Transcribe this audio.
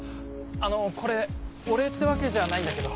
あのこれお礼ってわけじゃないんだけど。